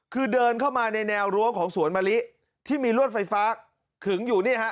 คือเดินเข้ามาในแนวรั้วของสวนมะลิที่มีรวดไฟฟ้าขึงอยู่นี่ฮะ